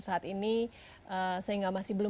saat ini sehingga masih belum